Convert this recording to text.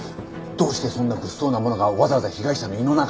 どうしてそんな物騒なものがわざわざ被害者の胃の中に？